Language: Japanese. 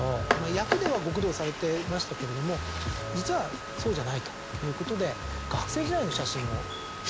役では極道されてましたけれども実はそうじゃないということで。